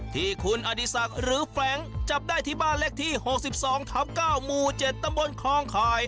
ที่คุณอดิสักหรือแฟลงจับได้ที่บ้านเล็กที่หกสิบสองทำเก้ามูเจ็ดตำบนคลองคลาย